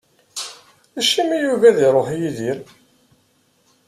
Acimi yugi ad iruḥ Yidir?